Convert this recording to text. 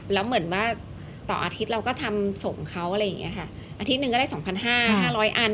แล้วเหมือนว่าต่ออาทิตย์เราก็ทำส่งเขาอะไรอย่างเงี้ยค่ะอาทิตย์หนึ่งก็ได้สองพันห้าห้าร้อยอัน